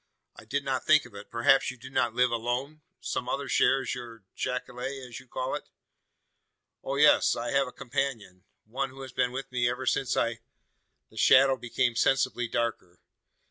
"I did not think of it! Perhaps you do not live alone? Some other shares your jacale as you call it?" "Oh, yes, I have a companion one who has been with me ever since I " The shadow became sensibly darker.